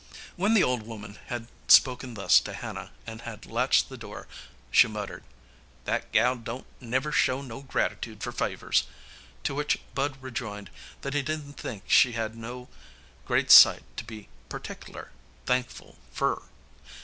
When the old woman had spoken thus to Hannah and had latched the door, she muttered, "That gal don't never show no gratitude fer favors;" to which Bud rejoined that he didn't think she had no great sight to be pertickler thankful fer.